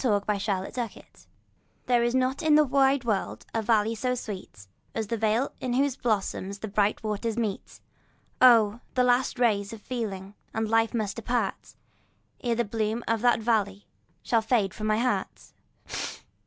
The Meeting of the Waters THERE is not in the wide world a valley so sweet As that vale in whose bosom the bright waters meet; Oh! the last rays of feeling and life must depart, Ere the bloom of that valley shall fade from my heart.